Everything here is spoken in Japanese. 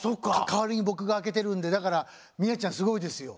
かわりにぼくが開けてるんでだからみあちゃんすごいですよ。